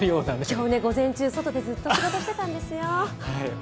今日午前中、ずっと外で仕事してたんですよ。